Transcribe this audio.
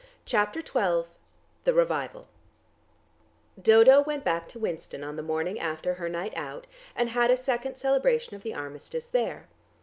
CHAPTER XII THE REVIVAL Dodo went back to Winston on the morning after her night out, and had a second celebration of the armistice there.